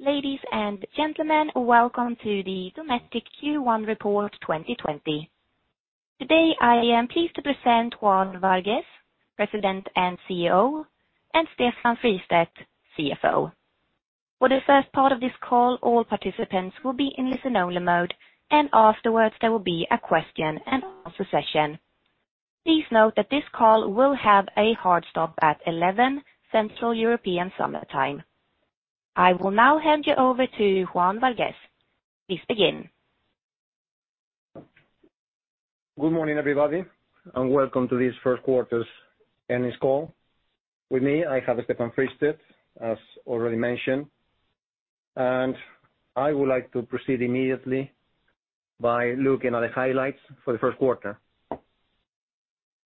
Ladies and gentlemen, welcome to the Dometic Q1 report 2020. Today, I am pleased to present Juan Vargues, President and CEO, and Stefan Fristedt, CFO. For the first part of this call, all participants will be in listen-only mode. Afterwards, there will be a question and answer session. Please note that this call will have a hard stop at 11 Central European Summer Time. I will now hand you over to Juan Vargues. Please begin. Good morning, everybody, and welcome to this first quarter's earnings call. With me, I have Stefan Fristedt, as already mentioned. I would like to proceed immediately by looking at the highlights for the first quarter.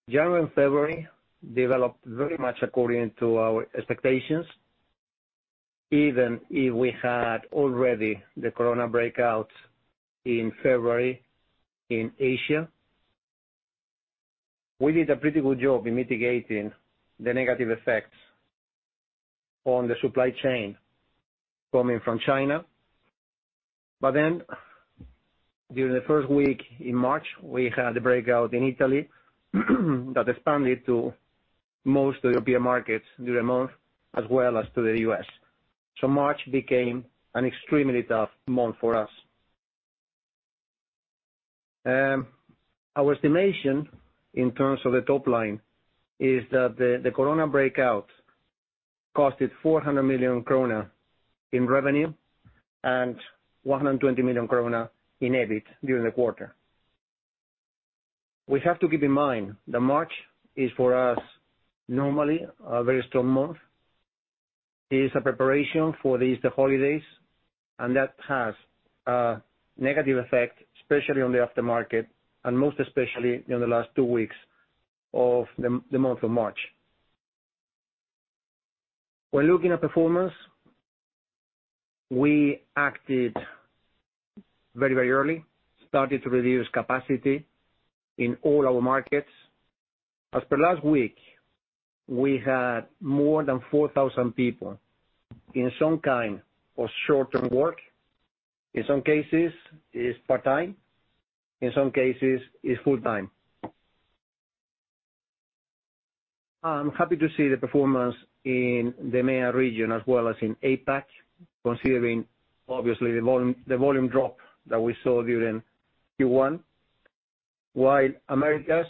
January and February developed very much according to our expectations. Even if we had already the corona breakout in February in Asia. We did a pretty good job in mitigating the negative effects on the supply chain coming from China. During the first week in March, we had the breakout in Italy that expanded to most European markets during the month as well as to the U.S. March became an extremely tough month for us. Our estimation in terms of the top line is that the corona breakout cost us 400 million krona in revenue and 120 million krona in EBIT during the quarter. We have to keep in mind that March is for us normally a very strong month. It is a preparation for the Easter holidays, that has a negative effect, especially on the after-market and most especially in the last two weeks of the month of March. When looking at performance, we acted very early, started to reduce capacity in all our markets. As per last week, we had more than 4,000 people in some kind of short-term work. In some cases, it's part-time. In some cases, it's full-time. I'm happy to see the performance in the MEA region as well as in APAC, considering obviously the volume drop that we saw during Q1. While Americas,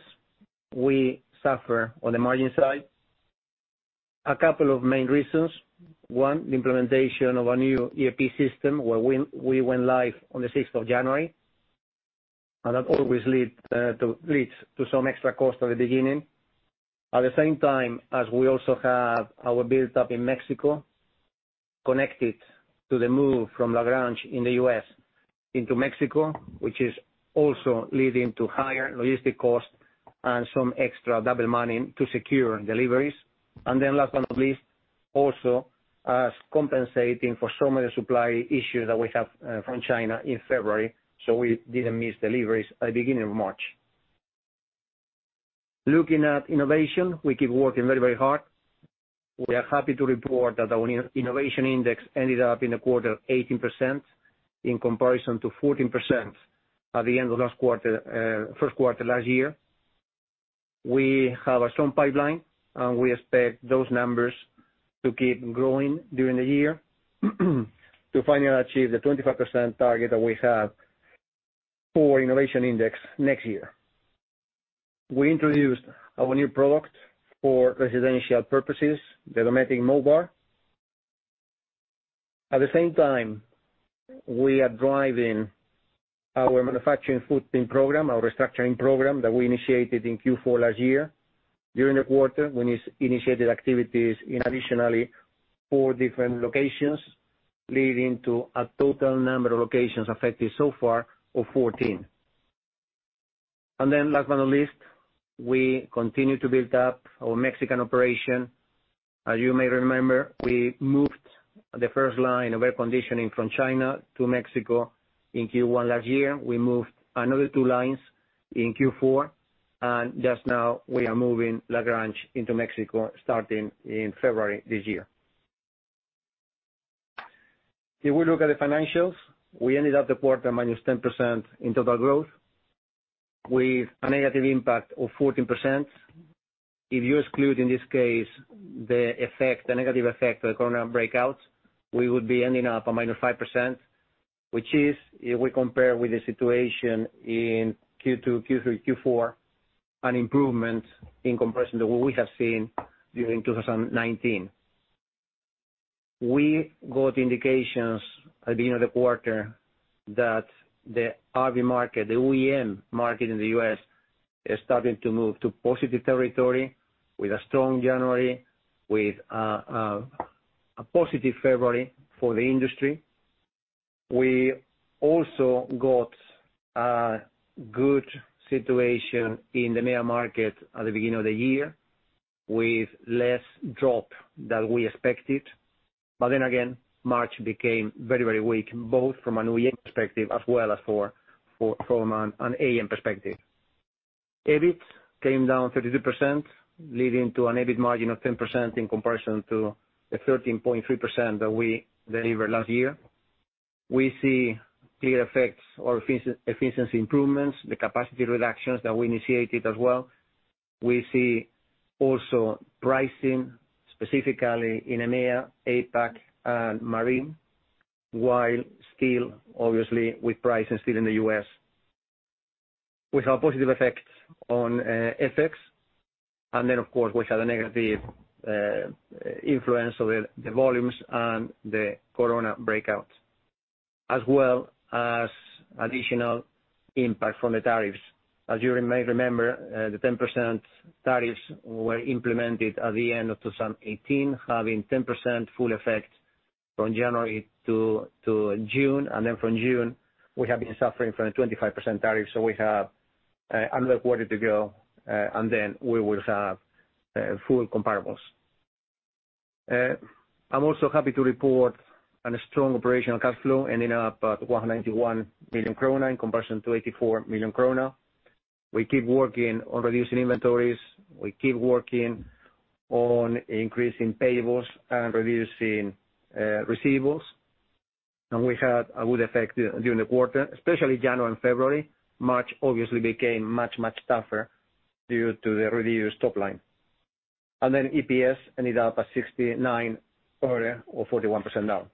we suffer on the margin side. A couple of main reasons. The implementation of a new ERP system where we went live on the 6th of January, that always leads to some extra cost at the beginning. At the same time as we also have our build-up in Mexico connected to the move from LaGrange in the U.S. into Mexico, which is also leading to higher logistic costs and some extra double money to secure deliveries. Last but not least, also us compensating for so many supply issues that we have from China in February, we didn't miss deliveries at the beginning of March. Looking at innovation, we keep working very hard. We are happy to report that our innovation index ended up in the quarter 18% in comparison to 14% at the end of first quarter last year. We have a strong pipeline. We expect those numbers to keep growing during the year to finally achieve the 25% target that we have for innovation index next year. We introduced our new product for residential purposes, the Dometic MoBar. At the same time, we are driving our manufacturing footprint program, our restructuring program that we initiated in Q4 last year. During the quarter, we initiated activities in additionally four different locations, leading to a total number of locations affected so far of 14. Last but not least, we continue to build up our Mexican operation. As you may remember, we moved the first line of air conditioning from China to Mexico in Q1 last year. We moved another two lines in Q4, and just now we are moving LaGrange into Mexico, starting in February this year. We ended up the quarter -10% in total growth with a negative impact of 14%. You exclude, in this case, the negative effect of the COVID-19 breakout, we would be ending up a -5%, which is, if we compare with the situation in Q2, Q3, Q4, an improvement in comparison to what we have seen during 2019. We got indications at the beginning of the quarter that the RV market, the OEM market in the U.S., is starting to move to positive territory with a strong January, with a positive February for the industry. We also got a good situation in the EMEA market at the beginning of the year with less drop than we expected. Again, March became very weak, both from an OEM perspective as well as from an AM perspective. EBIT came down 32%, leading to an EBIT margin of 10% in comparison to the 13.3% that we delivered last year. We see clear effects or efficiency improvements, the capacity reductions that we initiated as well. We see also pricing, specifically in EMEA, APAC, and Marine, while still obviously with pricing still in the U.S. We have positive effects on FX. Of course we had a negative influence of the volumes and the corona breakout, as well as additional impact from the tariffs. As you may remember, the 10% tariffs were implemented at the end of 2018, having 10% full effect from January to June, and then from June we have been suffering from a 25% tariff. We have another quarter to go, and then we will have full comparables. I am also happy to report on a strong operational cash flow ending up at 191 million krona in comparison to 84 million krona. We keep working on reducing inventories. We keep working on increasing payables and reducing receivables. We had a good effect during the quarter, especially January and February. March obviously became much tougher due to the reduced top line. EPS ended up at 69 Öre or 41% down.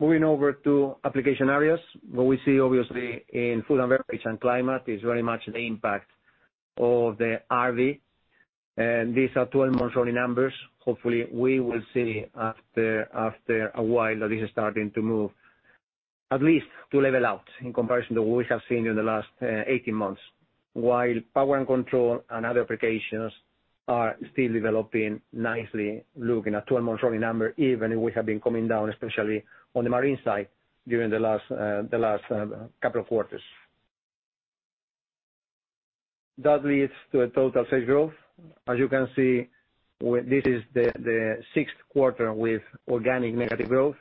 Moving over to application areas, what we see obviously in food and beverage and climate is very much the impact of the RV. These are 12 months running numbers. Hopefully we will see after a while that this is starting to move at least to level out in comparison to what we have seen in the last 18 months. While power and control and other applications are still developing nicely, looking at 12 months running number, even if we have been coming down especially on the marine side during the last couple of quarters. That leads to a total sales growth. As you can see, this is the sixth quarter with organic negative growth.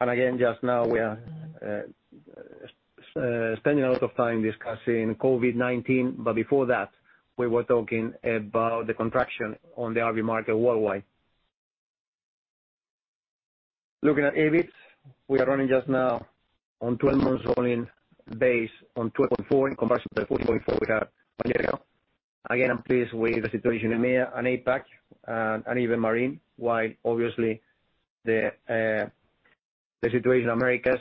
Again just now we are spending a lot of time discussing COVID-19, but before that, we were talking about the contraction on the RV market worldwide. Looking at EBIT, we are running just now on 12 months rolling base on 12.4% in comparison to the 14.4% we had one year ago. Again, I'm pleased with the situation in EMEA and APAC, and even Marine, while obviously the situation in Americas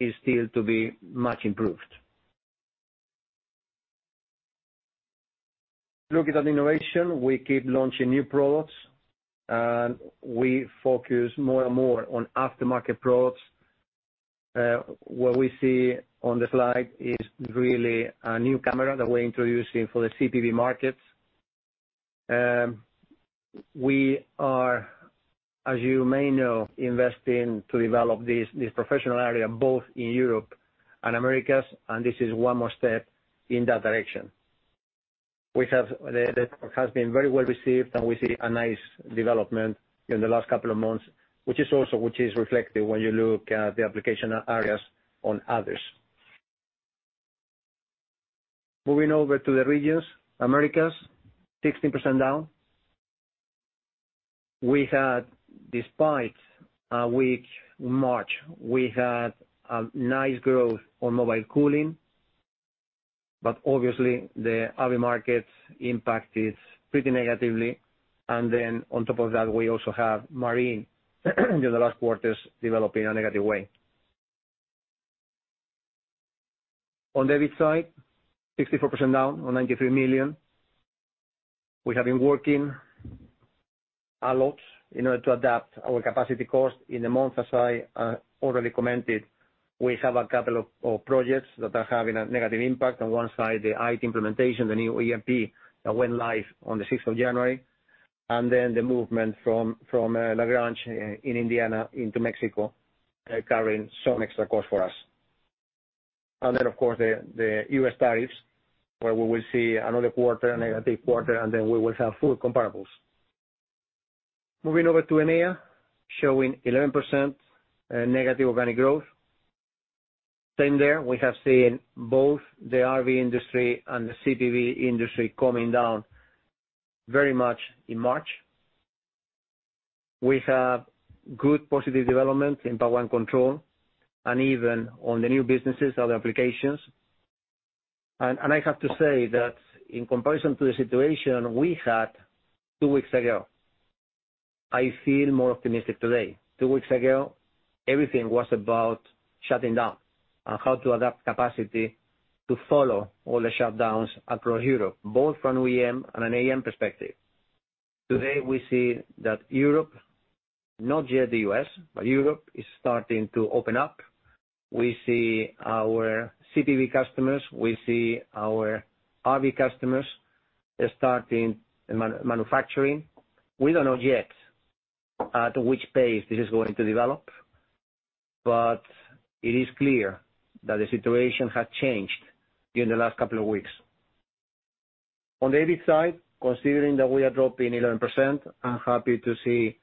is still to be much improved. Looking at innovation, we keep launching new products, and we focus more and more on aftermarket products. What we see on the slide is really a new camera that we are introducing for the CPV markets. We are, as you may know, investing to develop this professional area both in Europe and Americas. This is one more step in that direction. The product has been very well received. We see a nice development in the last couple of months, which is reflected when you look at the application areas on others. Moving over to the regions, Americas, 16% down. Despite a weak March, we had a nice growth on mobile cooling. Obviously the RV market impact is pretty negatively. On top of that, we also have Marine during the last quarters developing a negative way. On the EBIT side, 64% down on 93 million. We have been working a lot in order to adapt our capacity cost. In the month as I already commented, we have a couple of projects that are having a negative impact. On one side, the IT implementation, the new ERP that went live on the 6th of January, then the movement from LaGrange in Indiana into Mexico, carrying some extra cost for us. Then of course the U.S. tariffs, where we will see another quarter, negative quarter, and then we will have full comparables. Moving over to EMEA, showing 11% negative organic growth. Same there. We have seen both the RV industry and the CPV industry coming down very much in March. We have good positive development in power and control, and even on the new businesses, other applications. I have to say that in comparison to the situation we had two weeks ago, I feel more optimistic today. Two weeks ago, everything was about shutting down and how to adapt capacity to follow all the shutdowns across Europe, both from an OEM and an AM perspective. Today we see that Europe, not yet the U.S., but Europe is starting to open up. We see our CPV customers, we see our RV customers starting manufacturing. We don't know yet at which pace this is going to develop, but it is clear that the situation has changed during the last couple of weeks. On the EBIT side, considering that we are dropping 11%, I'm happy to see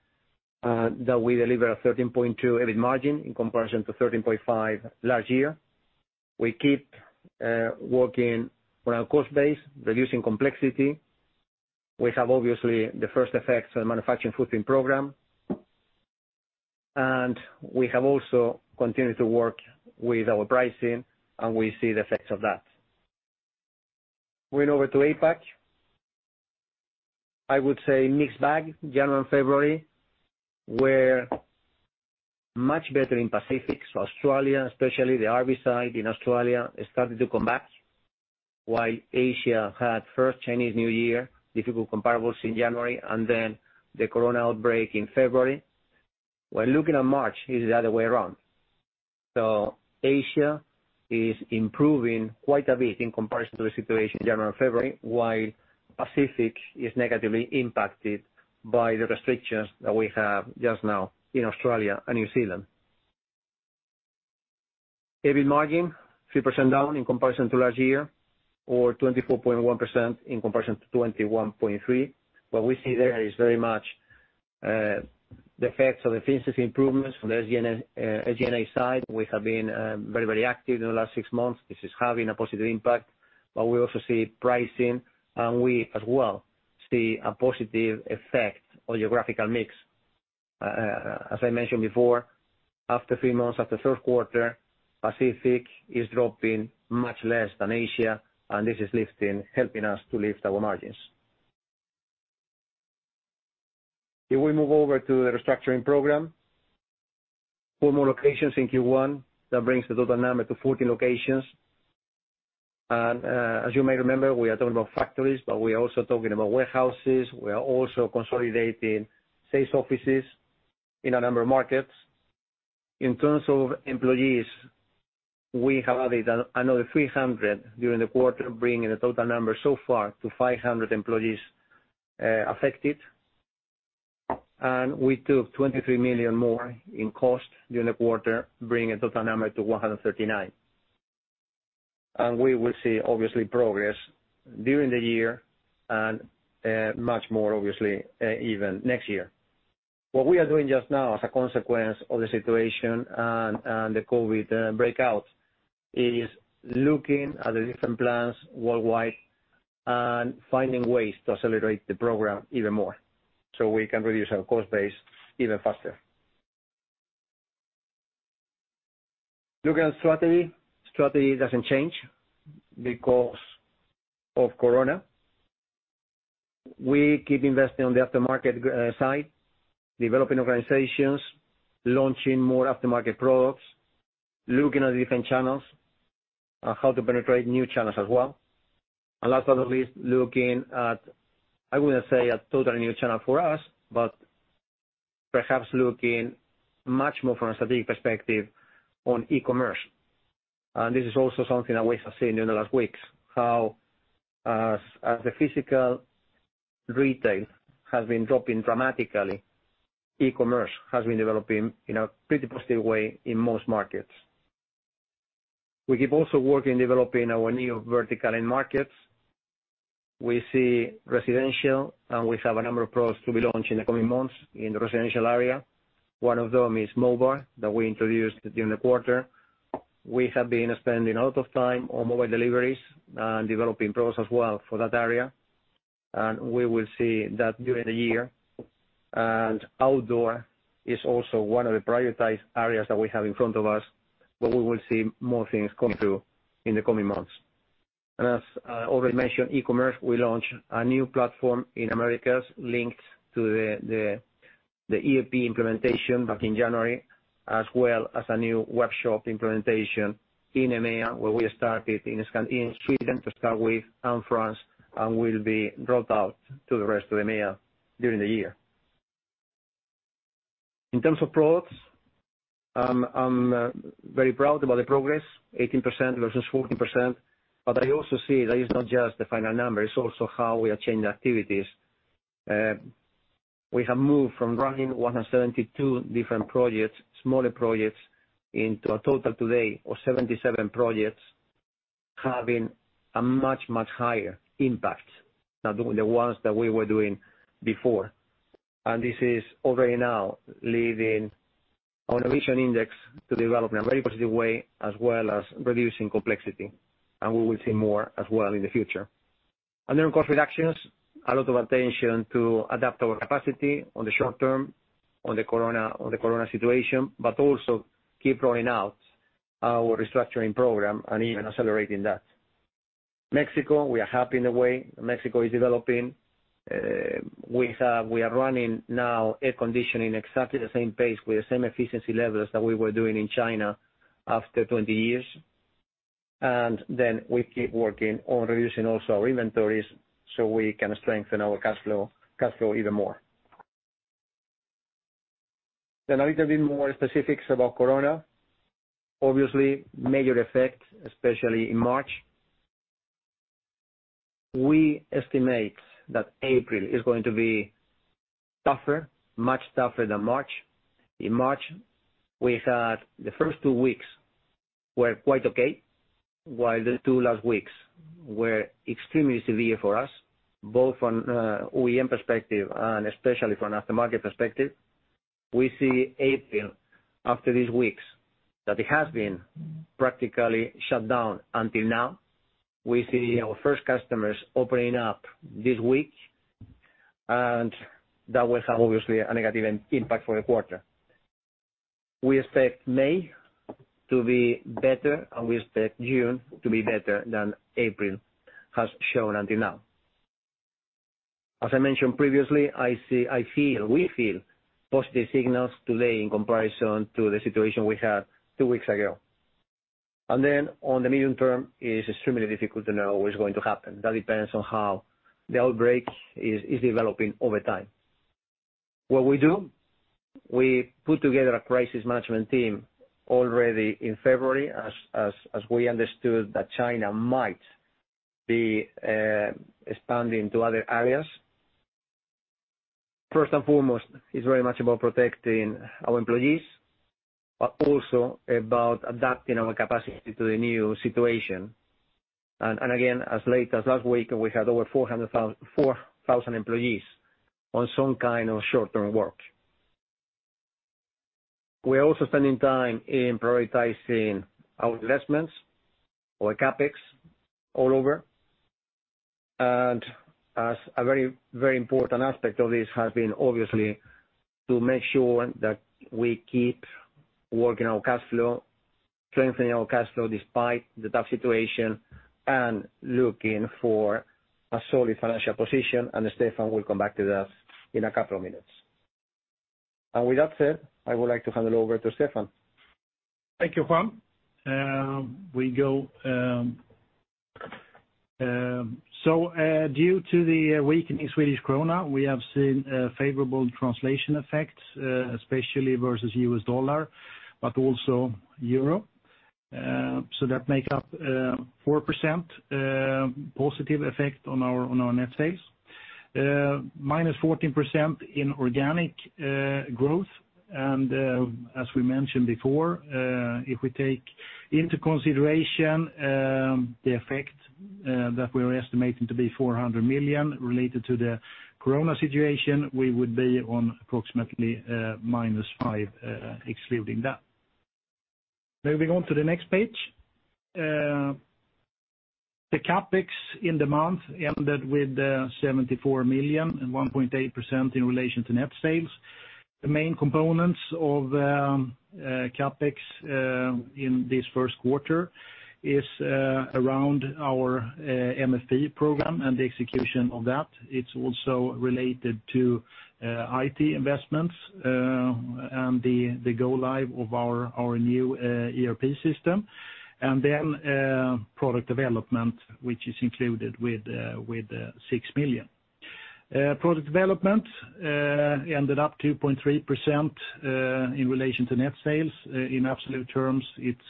that we deliver a 13.2% EBIT margin in comparison to 13.5% last year. We keep working on our cost base, reducing complexity. We have, obviously, the first effects of the Manufacturing Footprint Program. We have also continued to work with our pricing, and we see the effects of that. Going over to APAC. I would say mixed bag, January and February were much better in Pacific, so Australia, especially the RV side in Australia, started to come back. Asia had first Chinese New Year, difficult comparables in January, and then the corona outbreak in February. Looking at March, it's the other way around. Asia is improving quite a bit in comparison to the situation in January and February, while Pacific is negatively impacted by the restrictions that we have just now in Australia and New Zealand. EBIT margin, 3% down in comparison to last year, or 24.1% in comparison to 21.3%. What we see there is very much the effects of efficiency improvements from the SGA side. We have been very active in the last six months. This is having a positive impact, but we also see pricing, and we as well see a positive effect on geographical mix. As I mentioned before, after three months of the third quarter, Pacific is dropping much less than Asia, and this is helping us to lift our margins. If we move over to the restructuring program. four more locations in Q1. That brings the total number to 14 locations. As you may remember, we are talking about factories, but we are also talking about warehouses. We are also consolidating sales offices in a number of markets. In terms of employees, we have added another 300 during the quarter, bringing the total number so far to 500 employees affected. We took 23 million more in cost during the quarter, bringing the total number to 139 million. We will see, obviously, progress during the year and much more obviously even next year. What we are doing just now as a consequence of the situation and the COVID-19 breakout is looking at the different plants worldwide and finding ways to accelerate the program even more so we can reduce our cost base even faster. Looking at strategy. Strategy doesn't change because of COVID-19. We keep investing on the aftermarket side, developing organizations, launching more aftermarket products, looking at different channels and how to penetrate new channels as well. Last but not least, looking at, I wouldn't say a totally new channel for us, but perhaps looking much more from a strategic perspective on e-commerce. This is also something that we have seen in the last weeks, how as the physical retail has been dropping dramatically, e-commerce has been developing in a pretty positive way in most markets. We keep also working, developing our new vertical end markets. We see residential, and we have a number of products to be launched in the coming months in the residential area. One of them is Mobile that we introduced during the quarter. We have been spending a lot of time on mobile deliveries and developing products as well for that area. We will see that during the year. Outdoor is also one of the prioritized areas that we have in front of us, but we will see more things come through in the coming months. As already mentioned, e-commerce, we launched a new platform in Americas linked to the ERP implementation back in January, as well as a new workshop implementation in EMEA, where we started in Sweden to start with and France, and will be rolled out to the rest of EMEA during the year. In terms of products, I'm very proud about the progress, 18% versus 14%. I also see that it's not just the final number, it's also how we are changing activities. We have moved from running 172 different projects, smaller projects, into a total today of 77 projects, having a much higher impact than the ones that we were doing before. This is already now leading our innovation index to develop in a very positive way, as well as reducing complexity. We will see more as well in the future. Then cost reductions, a lot of attention to adapt our capacity on the short term on the corona situation, but also keep rolling out our restructuring program and even accelerating that. Mexico, we are happy in the way Mexico is developing. We are running now air conditioning exactly the same pace with the same efficiency levels that we were doing in China after 20 years. We keep working on reducing also our inventories so we can strengthen our cash flow even more. A little bit more specifics about Corona. Obviously, major effect, especially in March. We estimate that April is going to be tougher, much tougher than March. In March, we had the first two weeks were quite okay, while the two last weeks were extremely severe for us, both on OEM perspective and especially from an aftermarket perspective. We see April, after these weeks, that it has been practically shut down until now. We see our first customers opening up this week, and that will have, obviously, a negative impact for the quarter. We expect May to be better, and we expect June to be better than April has shown until now. As I mentioned previously, I feel, we feel positive signals today in comparison to the situation we had two weeks ago. On the medium term, it is extremely difficult to know what is going to happen. That depends on how the outbreak is developing over time. What we do, we put together a crisis management team already in February as we understood that China might be expanding to other areas. First and foremost, it's very much about protecting our employees, but also about adapting our capacity to the new situation. As late as last week, we had over 4,000 employees on some kind of short-term work. We're also spending time in prioritizing our investments, our CapEx all over. As a very important aspect of this has been obviously to make sure that we keep working our cash flow, strengthening our cash flow despite the tough situation, and looking for a solid financial position, and Stefan will come back to that in a couple of minutes. With that said, I would like to hand it over to Stefan. Thank you, Juan. Due to the weakening Swedish krona, we have seen a favorable translation effect, especially versus U.S. dollar, but also euro. That make up 4% positive effect on our net sales. Minus 14% in organic growth. As we mentioned before, if we take into consideration the effect that we are estimating to be 400 million related to the COVID-19 situation, we would be on approximately -5% excluding that. Moving on to the next page. The CapEx in the month ended with 74 million and 1.8% in relation to net sales. The main components of CapEx in this first quarter is around our MFP program and the execution of that. It's also related to IT investments, and the go live of our new ERP system. Product development, which is included with 6 million. Product development ended up 2.3% in relation to net sales. In absolute terms, it's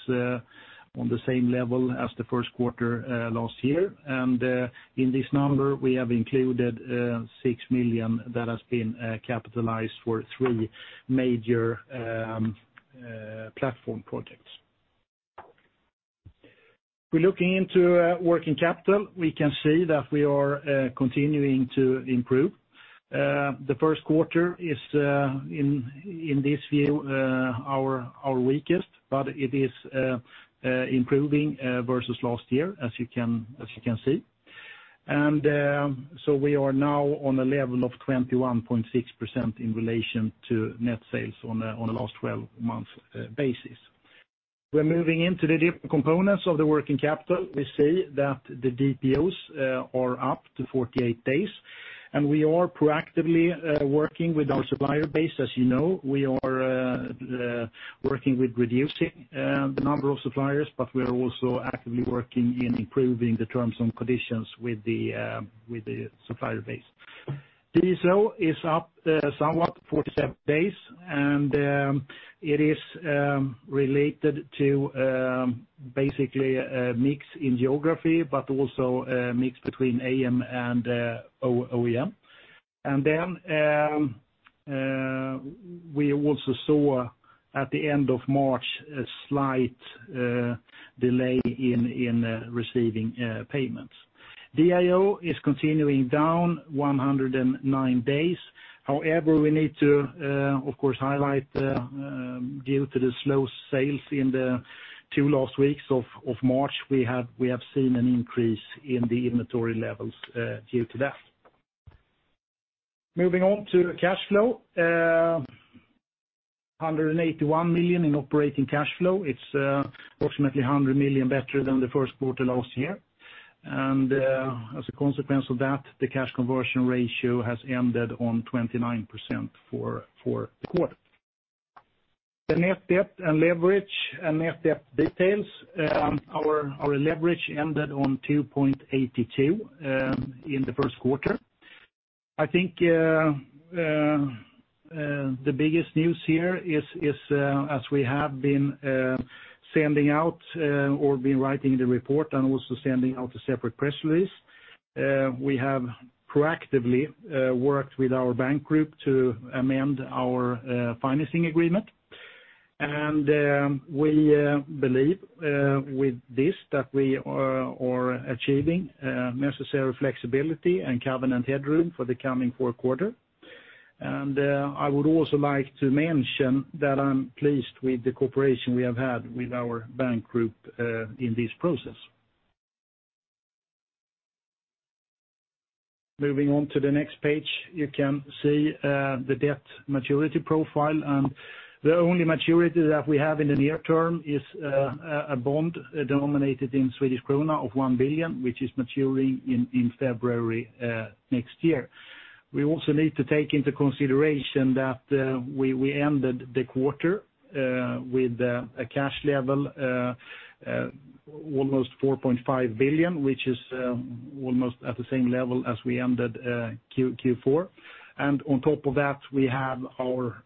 on the same level as the first quarter last year. In this number, we have included 6 million that has been capitalized for three major platform projects. We're looking into working capital. We can see that we are continuing to improve. The first quarter is in this view our weakest, but it is improving versus last year as you can see. We are now on a level of 21.6% in relation to net sales on a last 12 months basis. We're moving into the different components of the working capital. We see that the DPOs are up to 48 days, and we are proactively working with our supplier base. As you know, we are working with reducing the number of suppliers, but we are also actively working in improving the terms and conditions with the supplier base. DSO is up somewhat 47 days. It is related to basically a mix in geography, but also a mix between AM and OEM. We also saw at the end of March a slight delay in receiving payments. DIO is continuing down 109 days. However, we need to, of course, highlight due to the slow sales in the two last weeks of March, we have seen an increase in the inventory levels due to that. Moving on to cash flow. 181 million in operating cash flow. It's fortunately 100 million better than the first quarter last year. As a consequence of that, the cash conversion ratio has ended on 29% for the quarter. The net debt and leverage and net debt details. Our leverage ended on 2.82 in the first quarter. The biggest news here is, as we have been sending out or been writing the report and also sending out a separate press release, we have proactively worked with our bank group to amend our financing agreement. We believe with this that we are achieving necessary flexibility and covenant headroom for the coming fourth quarter. I would also like to mention that I'm pleased with the cooperation we have had with our bank group in this process. Moving on to the next page, you can see the debt maturity profile, and the only maturity that we have in the near term is a bond denominated in 1 billion Swedish krona, which is maturing in February next year. We also need to take into consideration that we ended the quarter with a cash level almost 4.5 billion, which is almost at the same level as we ended Q4. On top of that, we have our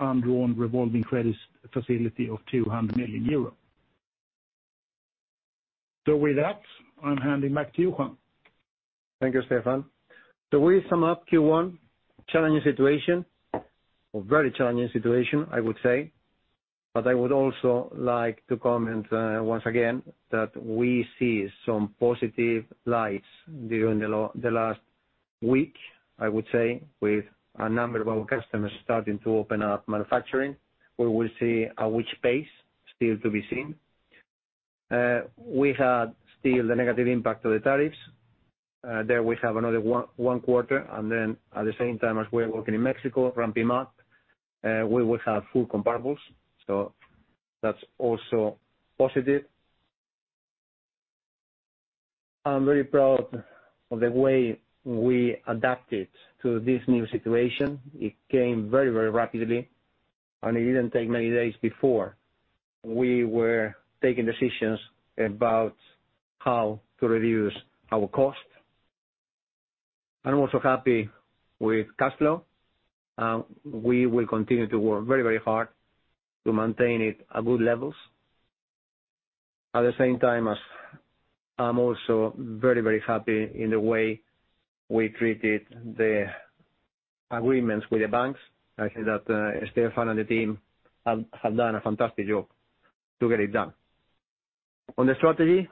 undrawn revolving credits facility of 200 million euro. With that, I'm handing back to you, Juan. Thank you, Stefan. We sum up Q1, challenging situation. A very challenging situation, I would say. I would also like to comment, once again, that we see some positive lights during the last week, I would say, with a number of our customers starting to open up manufacturing. We will see at which pace, still to be seen. We had still the negative impact of the tariffs. There we have another one quarter, and then at the same time as we are working in Mexico, ramped him up, we will have full comparables, so that's also positive. I'm very proud of the way we adapted to this new situation. It came very rapidly, and it didn't take many days before we were taking decisions about how to reduce our cost. I'm also happy with cash flow. We will continue to work very hard to maintain it at good levels. At the same time, I'm also very happy in the way we treated the agreements with the banks. I think that Stefan and the team have done a fantastic job to get it done. On the strategy,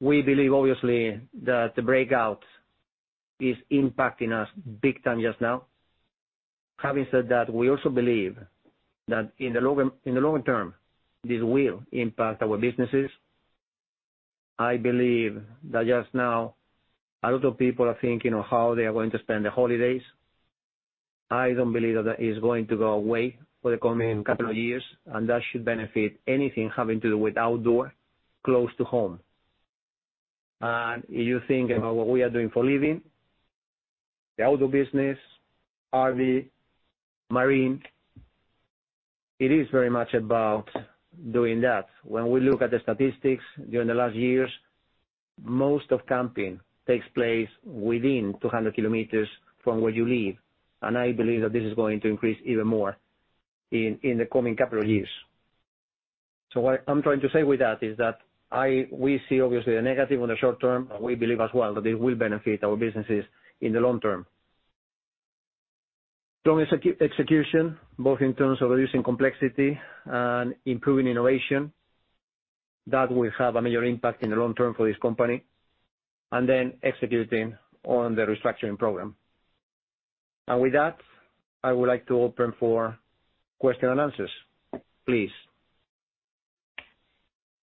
we believe obviously that the breakout is impacting us big time just now. Having said that, we also believe that in the long term, this will impact our businesses. I believe that just now, a lot of people are thinking of how they are going to spend their holidays. I don't believe that is going to go away for the coming couple of years, and that should benefit anything having to do with outdoor close to home. You think about what we are doing for a living, the outdoor business, RV, marine, it is very much about doing that. When we look at the statistics during the last years, most of camping takes place within 200 km from where you live, and I believe that this is going to increase even more in the coming couple years. What I'm trying to say with that is that we see obviously a negative on the short term, but we believe as well that it will benefit our businesses in the long term. Strong execution, both in terms of reducing complexity and improving innovation, that will have a major impact in the long term for this company, and then executing on the restructuring program. With that, I would like to open for question and answers. Please.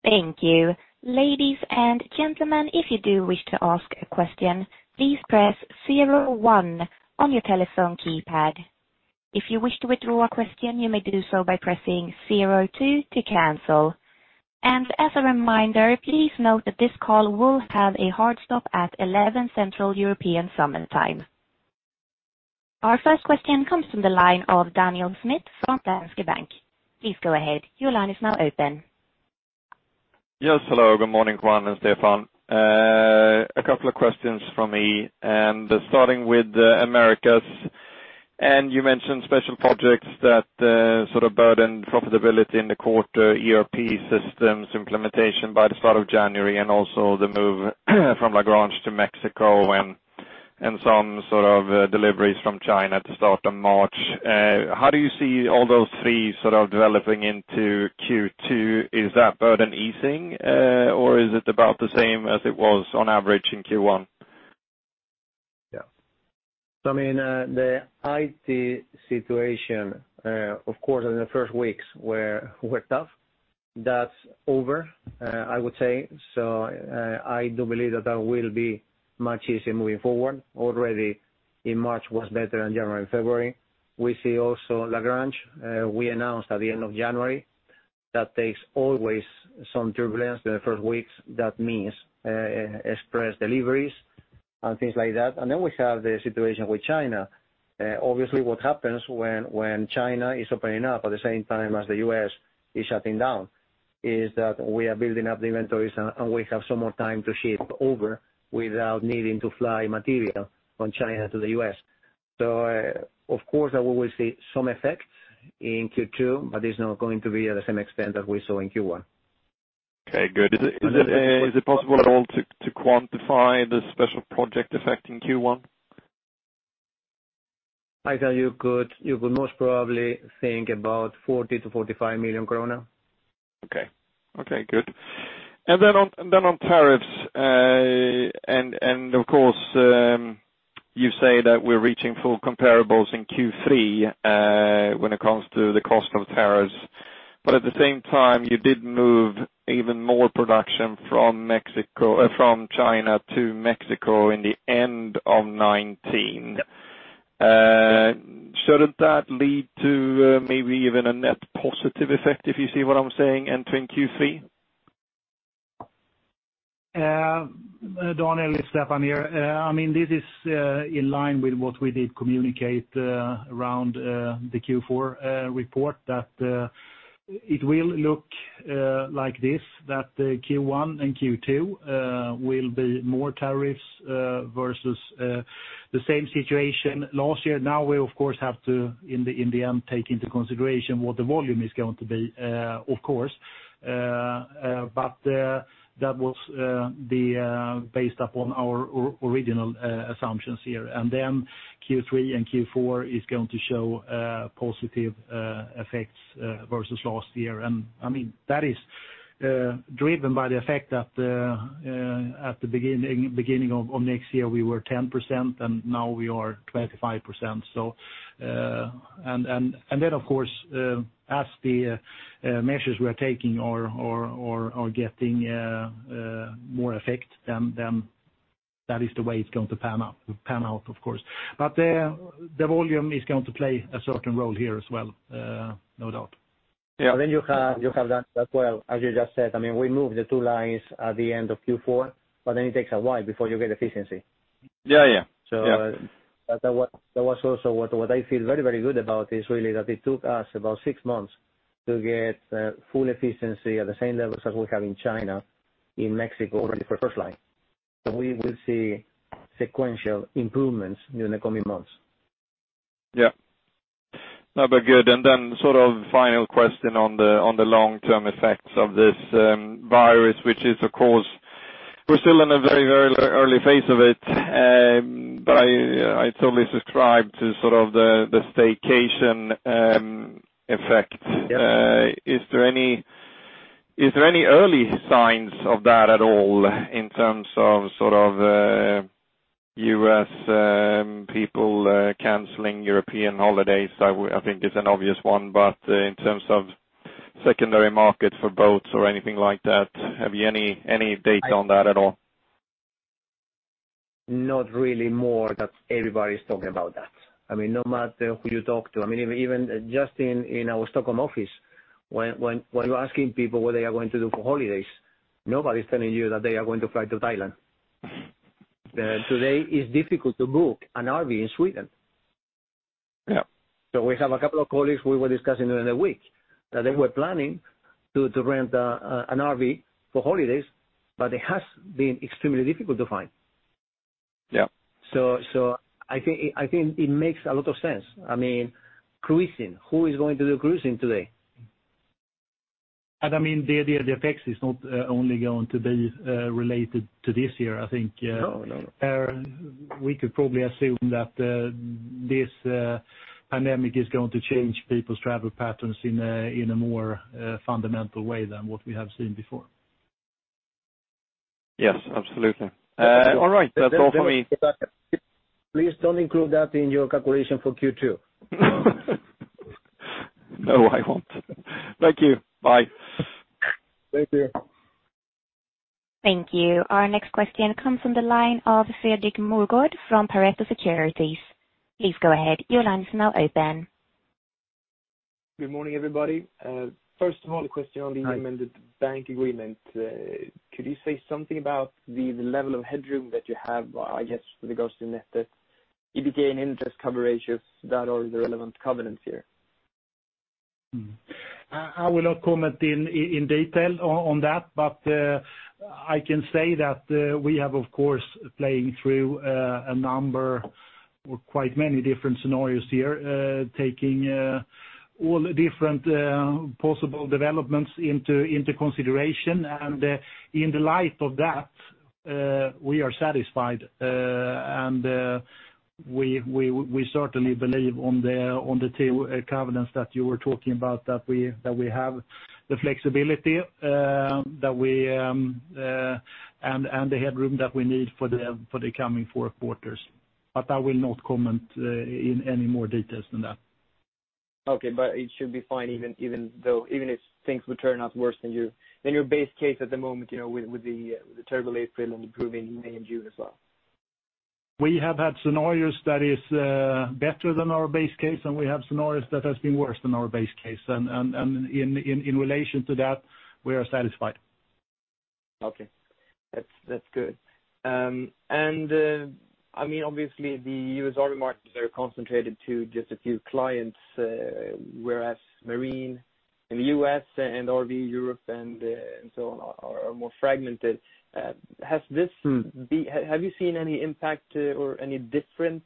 Thank you. Ladies and gentlemen, if you do wish to ask a question, please press zero one on your telephone keypad. If you wish to withdraw a question, you may do so by pressing zero two to cancel. As a reminder, please note that this call will have a hard stop at 11 Central European Summer Time. Our first question comes from the line of Daniel Schmidt from Danske Bank. Please go ahead. Your line is now open. Yes, hello. Good morning, Juan and Stefan. A couple of questions from me, starting with the Americas. You mentioned special projects that sort of burdened profitability in the quarter, ERP systems implementation by the start of January, also the move from LaGrange to Mexico and some sort of deliveries from China to start of March. How do you see all those three sort of developing into Q2? Is that burden easing or is it about the same as it was on average in Q1? The IT situation, of course, in the first weeks were tough. That's over, I would say. I do believe that will be much easier moving forward. Already in March was better than January and February. We see also Lagrange. We announced at the end of January that takes always some turbulence the first weeks. That means express deliveries and things like that. Then we have the situation with China. Obviously, what happens when China is opening up at the same time as the U.S. is shutting down? Is that we are building up the inventories and we have some more time to ship over without needing to fly material from China to the U.S. Of course, we will see some effects in Q2, but it's not going to be at the same extent that we saw in Q1. Okay, good. Is it possible at all to quantify the special project effect in Q1? I tell you could most probably think about 40 million-45 million krona. Okay, good. On tariffs, you say that we're reaching full comparables in Q3, when it comes to the cost of tariffs. At the same time, you did move even more production from China to Mexico in the end of 2019. Yes. Shouldn't that lead to maybe even a net positive effect, if you see what I'm saying, entering Q3? Daniel, it's Stefan here. This is in line with what we did communicate around the Q4 report that it will look like this, that Q1 and Q2 will be more tariffs versus the same situation last year. We of course have to, in the end, take into consideration what the volume is going to be, of course. That will be based upon our original assumptions here. Then Q3 and Q4 is going to show positive effects versus last year. That is driven by the effect that at the beginning of next year, we were 10%, and now we are 25%. Then of course, as the measures we are taking are getting more effect, then that is the way it's going to pan out, of course. The volume is going to play a certain role here as well, no doubt. Yeah. You have that as well, as you just said, we moved the two lines at the end of Q4, it takes a while before you get efficiency. Yeah. That was also what I feel very good about is really that it took us about six months to get full efficiency at the same levels as we have in China, in Mexico already for first line. We will see sequential improvements during the coming months. Yeah. No, but good. Then sort of final question on the long-term effects of this virus, which is, of course, we're still in a very early phase of it. It's only subscribed to sort of the staycation effect. Yes. Is there any early signs of that at all in terms of U.S. people canceling European holidays? I think is an obvious one, but in terms of secondary markets for boats or anything like that, have you any data on that at all? Not really more that everybody's talking about that. No matter who you talk to, even just in our Stockholm office, when you're asking people what they are going to do for holidays, nobody's telling you that they are going to fly to Thailand. Today it's difficult to book an RV in Sweden. Yeah. We have a couple of colleagues we were discussing during the week that they were planning to rent an RV for holidays, but it has been extremely difficult to find. Yeah. I think it makes a lot of sense. Cruising, who is going to do cruising today? The effects is not only going to be related to this year, I think. No, we could probably assume that this pandemic is going to change people's travel patterns in a more fundamental way than what we have seen before. Yes, absolutely. All right. Please don't include that in your calculation for Q2. No, I won't. Thank you. Bye. Thank you. Thank you. Our next question comes from the line of Fredrik Moregård from Pareto Securities. Please go ahead. Your line is now open. Good morning, everybody. First of all, a question on the amended bank agreement. Could you say something about the level of headroom that you have, I guess, with regards to net debt, EBITDA, and interest coverage ratios that are the relevant covenants here? I will not comment in detail on that, but I can say that we have, of course, playing through a number or quite many different scenarios here, taking all the different possible developments into consideration. In the light of that, we are satisfied. We certainly believe on the two covenants that you were talking about that we have the flexibility, and the headroom that we need for the coming four quarters. I will not comment in any more details than that. Okay. It should be fine even if things would turn out worse than your base case at the moment, with the terrible April and improving May and June as well? We have had scenarios that is better than our base case, and we have scenarios that has been worse than our base case. In relation to that, we are satisfied. Okay. That's good. Obviously, the U.S. RV markets are concentrated to just a few clients, whereas marine in the U.S. and RV Europe and so on are more fragmented. Have you seen any impact or any different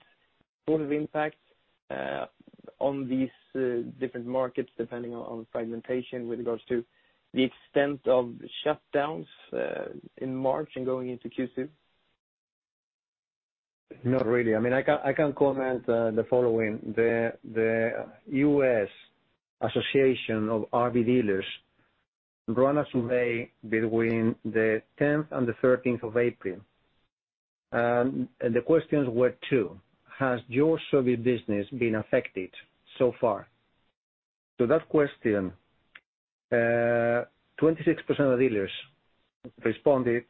sort of impacts on these different markets depending on fragmentation with regards to the extent of shutdowns in March and going into Q2? Not really. I can comment the following. The National RV Dealers Association ran a survey between the 10th and the 13th of April. The questions were two: Has your service business been affected so far? To that question, 26% of dealers responded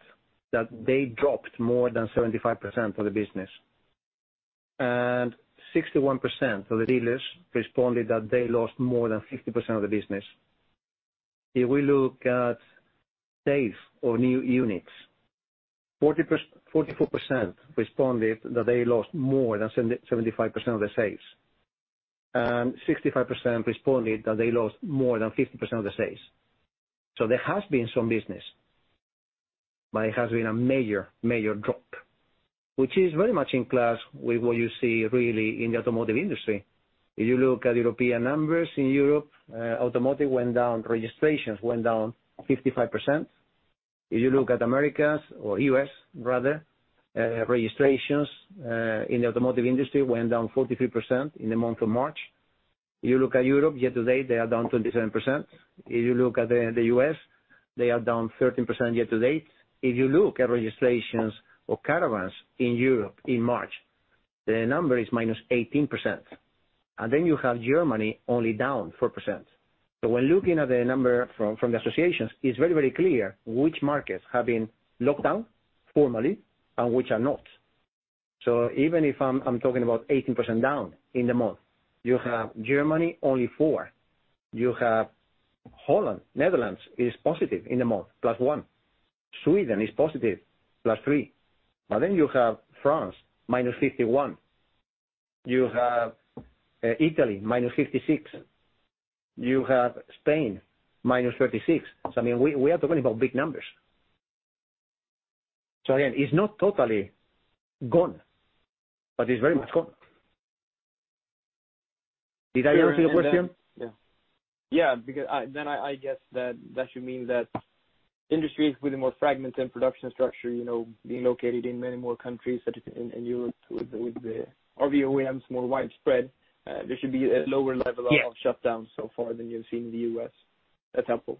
that they dropped more than 75% of the business, and 61% of the dealers responded that they lost more than 50% of the business. If we look at sales of new units, 44% responded that they lost more than 75% of the sales, and 65% responded that they lost more than 50% of the sales. There has been some business, but it has been a major drop, which is very much in class with what you see really in the automotive industry. If you look at European numbers in Europe, automotive registrations went down 55%. If you look at Americas or U.S. rather, registrations in the automotive industry went down 43% in the month of March. If you look at Europe, year-to-date, they are down 27%. If you look at the U.S., they are down 13% year-to-date. If you look at registrations of caravans in Europe in March, the number is -18%. You have Germany only down 4%. When looking at the number from the associations, it's very clear which markets have been locked down formally and which are not. Even if I'm talking about 18% down in the month, you have Germany only 4%. You have Holland, Netherlands is positive in the month, +1%. Sweden is positive, +3%. You have France, -51%. You have Italy, -56%. You have Spain, -36%. We are talking about big numbers. Again, it's not totally gone, but it's very much gone. Did I answer your question? Yeah. I guess that should mean that industries with a more fragmented production structure, being located in many more countries such as in Europe with the RV OEMs more widespread, there should be a lower level of. Yeah shutdowns so far than you've seen in the U.S. That's helpful.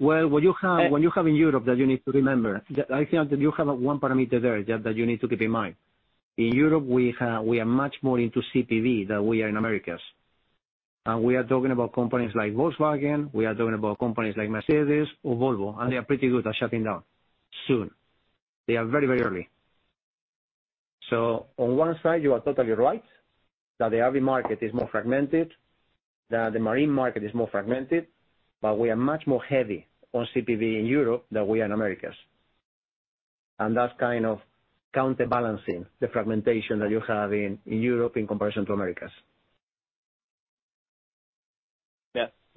Well, what you have in Europe that you need to remember, I think that you have one parameter there that you need to keep in mind. In Europe, we are much more into CPV than we are in Americas. We are talking about companies like Volkswagen, we are talking about companies like Mercedes-Benz or Volvo, and they are pretty good at shutting down soon. They are very early. On one side, you are totally right that the RV market is more fragmented, that the marine market is more fragmented, but we are much more heavy on CPV in Europe than we are in Americas. That's kind of counterbalancing the fragmentation that you have in Europe in comparison to Americas.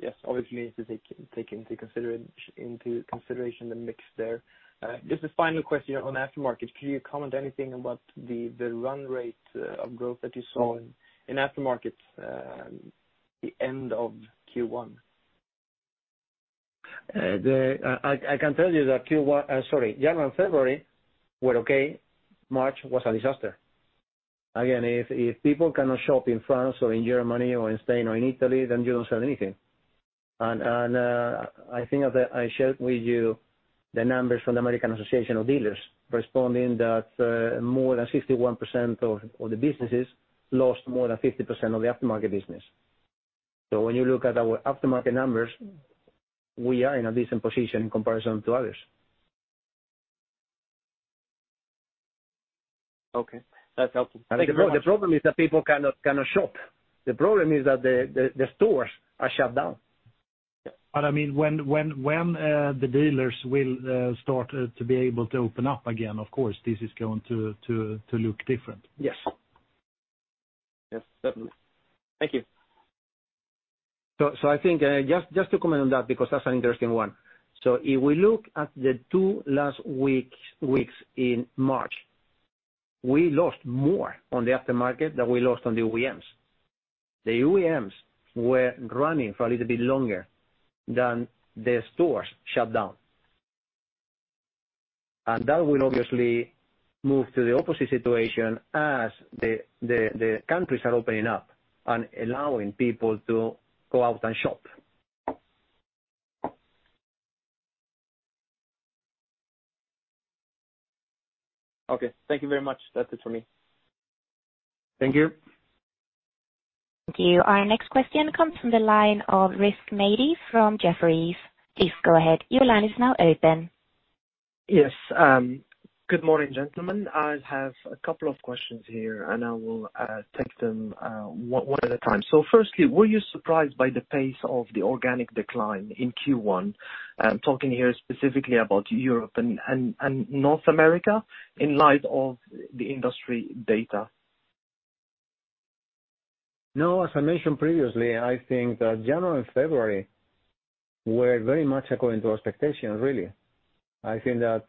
Yes. Obviously, need to take into consideration the mix there. Just a final question on aftermarket. Could you comment anything about the run rate of growth that you saw in aftermarket the end of Q1? I can tell you that January and February were okay. March was a disaster. Again, if people cannot shop in France or in Germany or in Spain or in Italy, then you don't sell anything. I think I shared with you the numbers from the American Association of Dealers responding that more than 61% of the businesses lost More than 50% of the aftermarket business. When you look at our aftermarket numbers, we are in a decent position in comparison to others. Okay. That's helpful. Thank you very much. The problem is that people cannot shop. The problem is that the stores are shut down. When the dealers will start to be able to open up again, of course, this is going to look different. Yes. Yes, definitely. Thank you. I think just to comment on that because that's an interesting one. If we look at the two last weeks in March, we lost more on the aftermarket than we lost on the OEMs. The OEMs were running for a little bit longer than the stores shut down. That will obviously move to the opposite situation as the countries are opening up and allowing people to go out and shop. Okay. Thank you very much. That is it for me. Thank you. Thank you. Our next question comes from the line of Rizk Maidi from Jefferies. Please go ahead. Your line is now open. Yes. Good morning, gentlemen. I have a couple of questions here, and I will take them one at a time. Firstly, were you surprised by the pace of the organic decline in Q1? I am talking here specifically about Europe and North America in light of the industry data. No, as I mentioned previously, I think that January and February were very much according to our expectations, really. I think that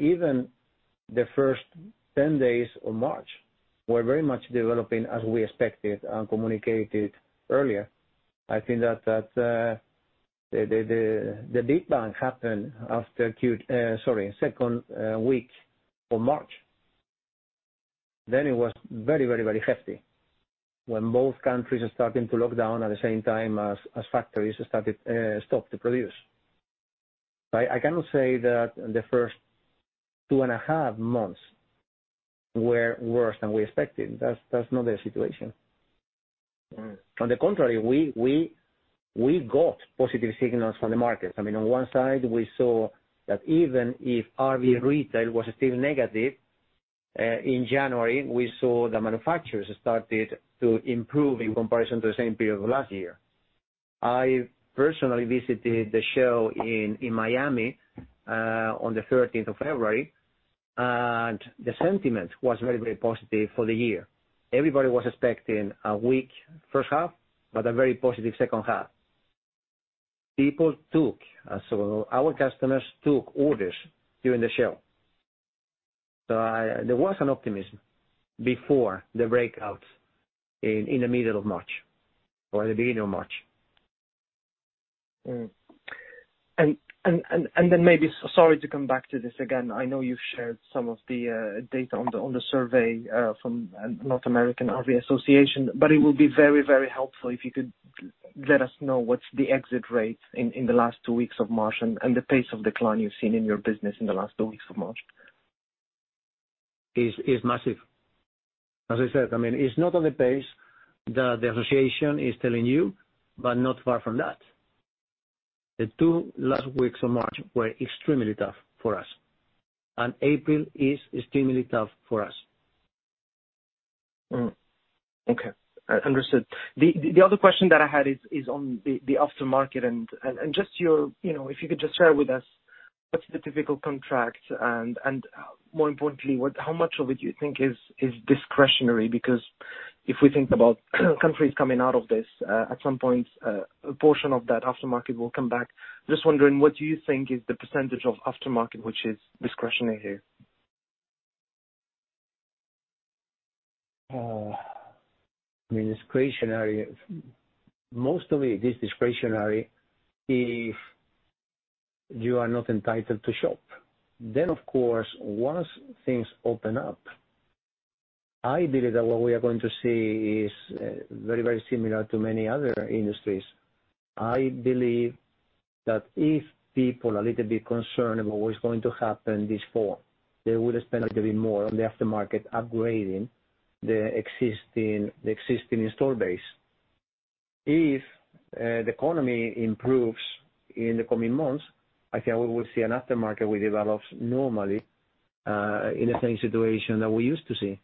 even the first 10 days of March were very much developing as we expected and communicated earlier. It was very hefty when both countries are starting to lock down at the same time as factories stopped to produce. I cannot say that the first two and a half months were worse than we expected. That's not the situation. On the contrary, we got positive signals from the market. On one side, we saw that even if RV retail was still negative, in January, we saw the manufacturers started to improve in comparison to the same period of last year. I personally visited the show in Miami on the 13th of February, and the sentiment was very positive for the year. Everybody was expecting a weak first half, but a very positive second half. Our customers took orders during the show. There was an optimism before the breakout in the middle of March or the beginning of March. Maybe, sorry to come back to this again. I know you've shared some of the data on the survey from The National RV Dealers Association, it will be very helpful if you could let us know what's the exit rate in the last two weeks of March and the pace of decline you've seen in your business in the last two weeks of March. It's massive. As I said, it's not on the pace that the association is telling you, but not far from that. The two last weeks of March were extremely tough for us, and April is extremely tough for us. Okay, understood. The other question that I had is on the aftermarket, and if you could just share with us what's the typical contract and, more importantly, how much of it you think is discretionary, because if we think about countries coming out of this, at some point, a portion of that aftermarket will come back. Just wondering, what do you think is the percentage of aftermarket which is discretionary here? Discretionary. Most of it is discretionary if you are not entitled to shop. Of course, once things open up, ideally what we are going to see is very similar to many other industries. I believe that if people a little bit concerned about what is going to happen this fall, they would spend a little bit more on the aftermarket upgrading the existing in-store base. If the economy improves in the coming months, I think we will see an aftermarket will develop normally, in the same situation that we used to see.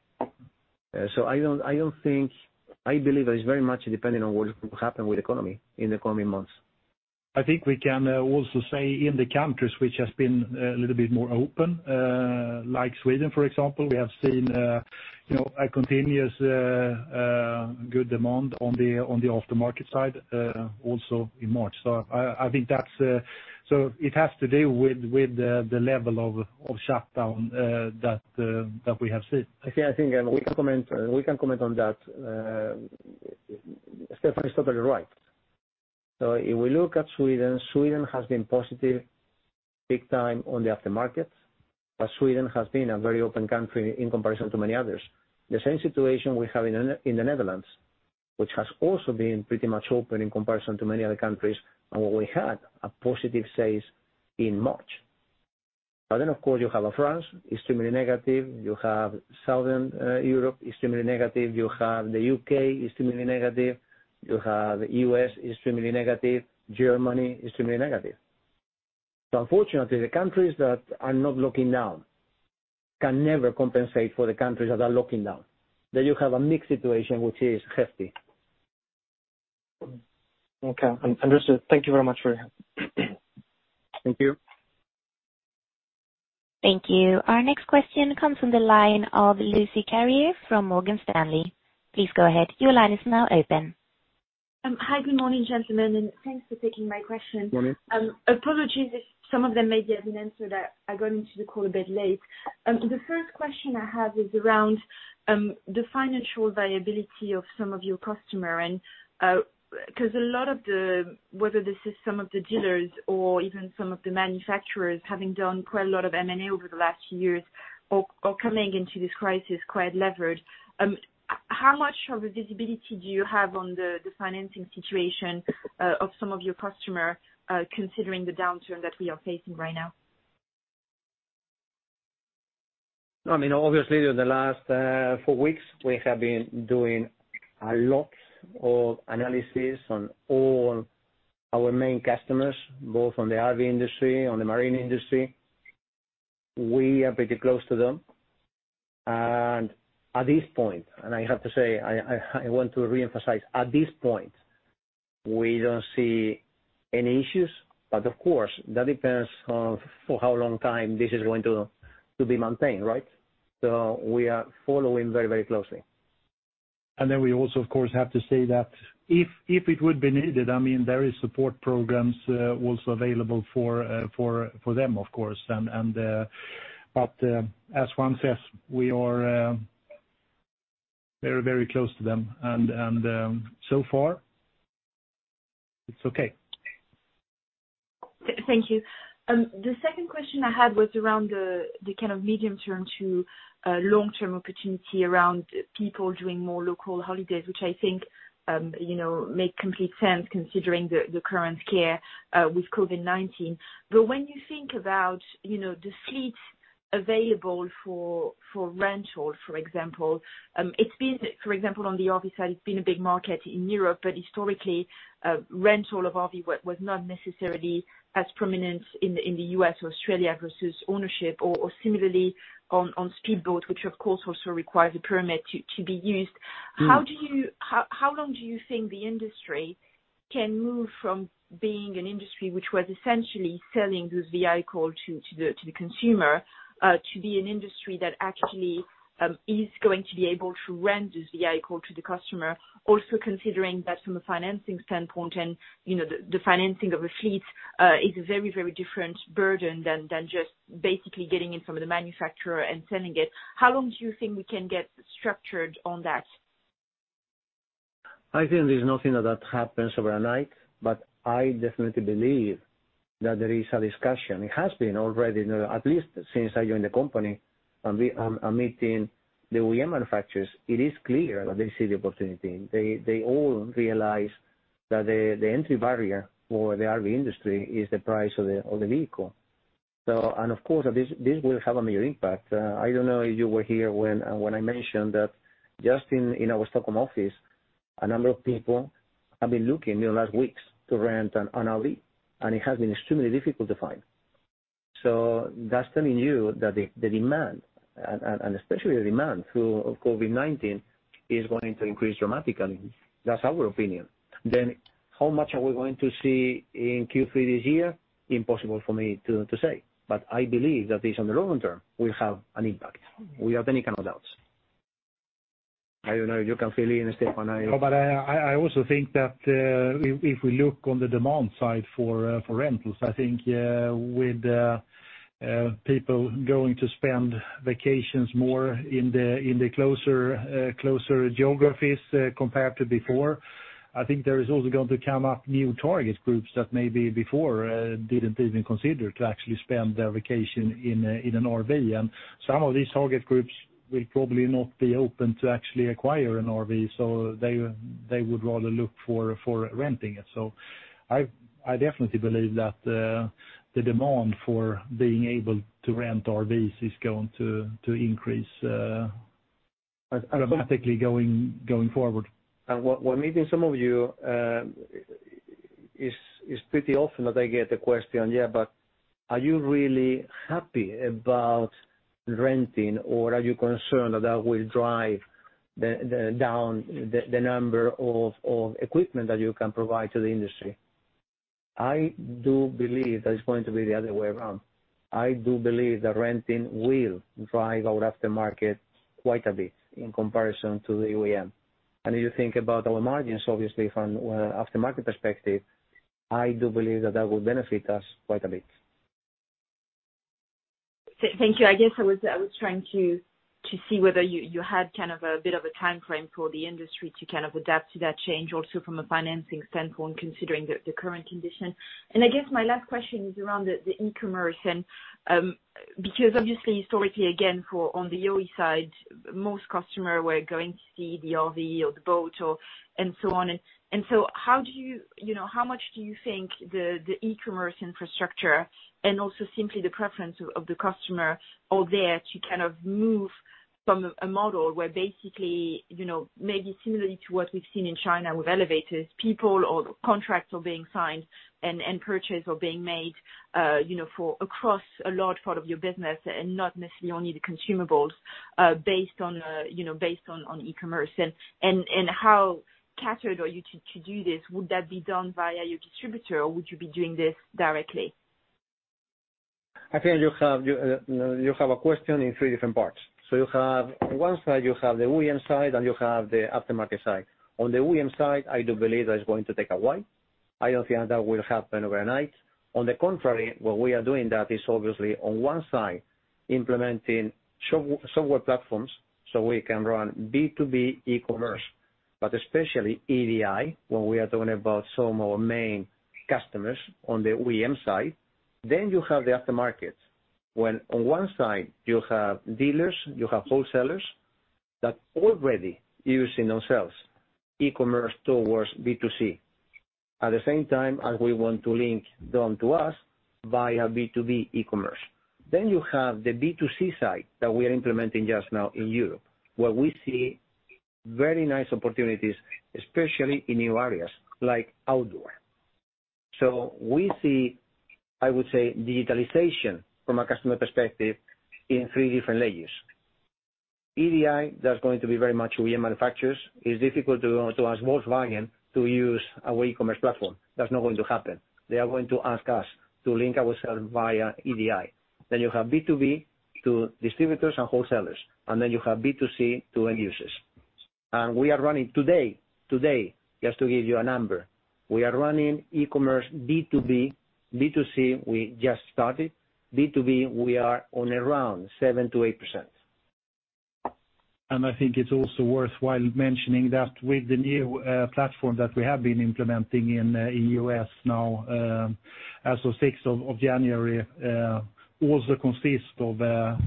I believe that it's very much dependent on what will happen with the economy in the coming months. I think we can also say in the countries which has been a little bit more open, like Sweden, for example, we have seen a continuous good demand on the aftermarket side also in March. It has to do with the level of shutdown that we have seen. I think we can comment on that. Stefan is totally right. If we look at Sweden has been positive big time on the aftermarket, but Sweden has been a very open country in comparison to many others. The same situation we have in the Netherlands, which has also been pretty much open in comparison to many other countries, and what we had a positive sales in March. Of course, you have France, extremely negative. You have Southern Europe, extremely negative. You have the U.K., extremely negative. You have the U.S., extremely negative. Germany, extremely negative. Unfortunately, the countries that are not locking down can never compensate for the countries that are locking down. You have a mixed situation, which is hefty. Okay, understood. Thank you very much for that. Thank you. Thank you. Our next question comes from the line of Lucie Carrier from Morgan Stanley. Please go ahead. Your line is now open. Hi, good morning, gentlemen, and thanks for taking my question. Morning. Apologies if some of them may have been answered. I got into the call a bit late. The first question I have is around the financial viability of some of your customer, because a lot of the, whether this is some of the dealers or even some of the manufacturers having done quite a lot of M&A over the last years are coming into this crisis quite leveraged. How much of a visibility do you have on the financing situation of some of your customer, considering the downturn that we are facing right now? Obviously, in the last four weeks, we have been doing a lot of analysis on all our main customers, both on the RV industry, on the marine industry. We are pretty close to them. At this point, and I have to say, I want to reemphasize, at this point, we don't see any issues, but of course, that depends on for how long time this is going to be maintained, right? We are following very closely. Then we also, of course, have to say that if it would be needed, there is support programs also available for them, of course. As Juan says, we are very close to them, and so far it's okay. Thank you. The second question I had was around the kind of medium term to long-term opportunity around people doing more local holidays, which I think make complete sense considering the current scare with COVID-19. When you think about the fleet available for rental, for example it's been, for example, on the RV side, it's been a big market in Europe, but historically, rental of RV was not necessarily as prominent in the U.S. or Australia versus ownership or similarly on speedboats, which of course also requires a permit to be used. How long do you think the industry can move from being an industry which was essentially selling those vehicles to the consumer, to be an industry that actually is going to be able to rent this vehicle to the customer? Also considering that from a financing standpoint and the financing of a fleet is a very different burden than just basically getting in from the manufacturer and selling it. How long do you think we can get structured on that? I think there's nothing that happens overnight, but I definitely believe that there is a discussion. It has been already now, at least since I joined the company, and we are meeting the OEM manufacturers. It is clear that they see the opportunity. They all realize that the entry barrier for the RV industry is the price of the vehicle. Of course, this will have a major impact. I don't know if you were here when I mentioned that just in our Stockholm office, a number of people have been looking in the last weeks to rent an RV, and it has been extremely difficult to find. That's telling you that the demand, and especially the demand through COVID-19, is going to increase dramatically. That's our opinion. How much are we going to see in Q3 this year? Impossible for me to say, but I believe that this on the long term will have an impact. Without any kind of doubts. I don't know, you can fill in, Stefan. I also think that if we look on the demand side for rentals, I think with people going to spend vacations more in the closer geographies compared to before, I think there is also going to come up new target groups that maybe before didn't even consider to actually spend their vacation in an RV. Some of these target groups will probably not be open to actually acquire an RV, so they would rather look for renting it. I definitely believe that the demand for being able to rent RVs is going to increase dramatically going forward. When meeting some of you, it's pretty often that I get the question, yeah, but are you really happy about renting, or are you concerned that that will drive down the number of equipment that you can provide to the industry? I do believe that it's going to be the other way around. I do believe that renting will drive our aftermarket quite a bit in comparison to the OEM. If you think about our margins, obviously from an aftermarket perspective, I do believe that that will benefit us quite a bit. Thank you. I guess I was trying to see whether you had kind of a bit of a timeframe for the industry to kind of adapt to that change, also from a financing standpoint, considering the current condition. I guess my last question is around the e-commerce and because obviously historically, again, for on the OE side, most customers were going to see the RV or the boat and so on. How much do you think the e-commerce infrastructure and also simply the preference of the customer are there to kind of move from a model where basically, maybe similarly to what we've seen in China with elevators, people or contracts are being signed and purchases are being made across a large part of your business and not necessarily only the consumables, based on e-commerce. How catered are you to do this? Would that be done via your distributor, or would you be doing this directly? I think you have a question in three different parts. You have one side, you have the OEM side, and you have the aftermarket side. On the OEM side, I do believe that it's going to take a while. I don't think that will happen overnight. On the contrary, what we are doing that is obviously on one side implementing software platforms so we can run B2B e-commerce, but especially EDI, when we are talking about some of our main customers on the OEM side. You have the aftermarket. When on one side you have dealers, you have wholesalers that already using ourselves e-commerce towards B2C. At the same time, and we want to link them to us via B2B e-commerce. You have the B2C side that we are implementing just now in Europe, where we see very nice opportunities, especially in new areas like outdoor. We see, I would say, digitalization from a customer perspective in three different layers. EDI, that's going to be very much OEM manufacturers. It's difficult to ask Volkswagen to use our e-commerce platform. That's not going to happen. They are going to ask us to link ourselves via EDI. You have B2B to distributors and wholesalers, and then you have B2C to end users. We are running today, just to give you a number, we are running e-commerce B2B. B2C, we just started. B2B, we are on around 7%-8%. I think it's also worthwhile mentioning that with the new platform that we have been implementing in U.S. now, as of 6th of January, also consist of a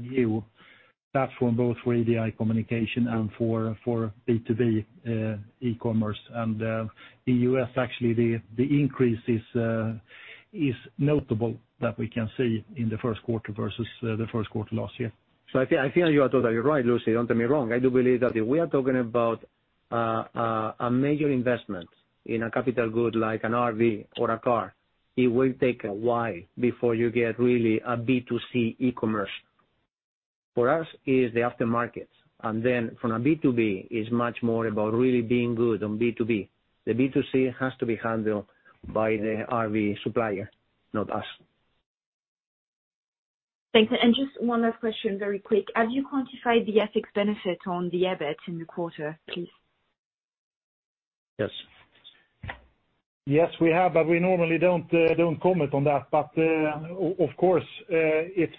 new platform, both for EDI communication and for B2B e-commerce. The U.S., actually, the increase is notable that we can see in the first quarter versus the first quarter last year. I think you are totally right, Lucie. Don't get me wrong. I do believe that if we are talking about a major investment in a capital good like an RV or a car, it will take a while before you get really a B2C e-commerce. For us, it is the aftermarket. From a B2B, it's much more about really being good on B2B. The B2C has to be handled by the RV supplier, not us. Thanks. Just one last question, very quick. Have you quantified the FX benefit on the EBIT in the quarter, please? Yes. Yes, we have, but we normally don't comment on that. Of course, it's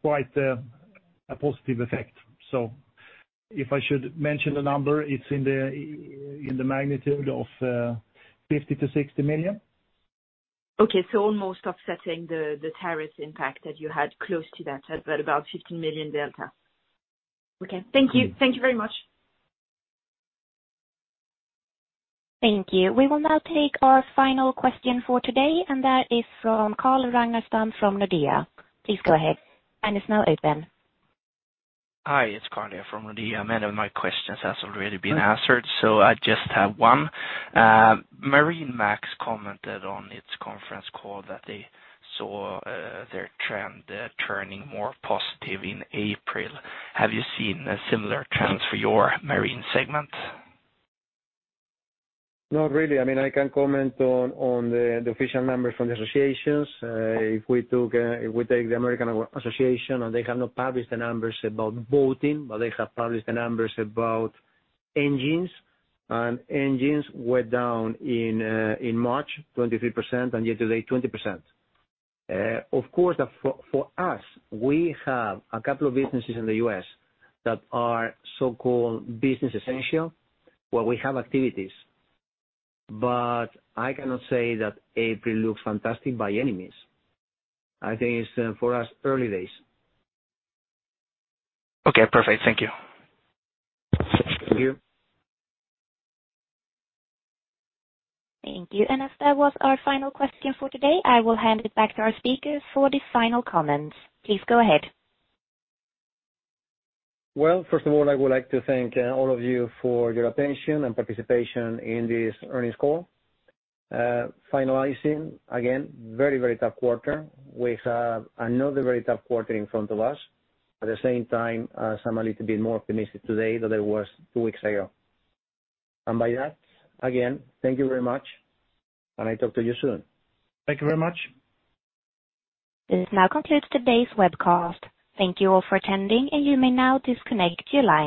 quite a positive effect. If I should mention the number, it's in the magnitude of 50 million-60 million. Okay. Almost offsetting the tariffs impact that you had close to that at about 15 million delta. Okay. Thank you. Thank you very much. Thank you. We will now take our final question for today, and that is from Carl Ragnerstam from Nordea. Please go ahead. Line is now open. Hi, it's Carl here from Nordea. Many of my questions has already been answered. I just have one. MarineMax commented on its conference call that they saw their trend turning more positive in April. Have you seen similar trends for your marine segment? Not really. I can comment on the official numbers from the associations. If we take the American Association, and they have not published the numbers about boating, but they have published the numbers about engines. Engines were down in March, 23%, and year to date, 20%. Of course, for us, we have a couple of businesses in the U.S. that are so-called business essential, where we have activities. I cannot say that April looks fantastic by any means. I think it's, for us, early days. Okay, perfect. Thank you. Thank you. Thank you. As that was our final question for today, I will hand it back to our speakers for the final comments. Please go ahead. Well, first of all, I would like to thank all of you for your attention and participation in this earnings call. Finalizing, again, very, very tough quarter. We have another very tough quarter in front of us. At the same time, as I'm a little bit more optimistic today than I was two weeks ago. By that, again, thank you very much, and I talk to you soon. Thank you very much. This now concludes today's webcast. Thank you all for attending, and you may now disconnect your line.